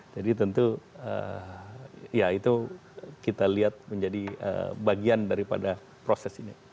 jadi tentu ya itu kita lihat menjadi bagian daripada proses ini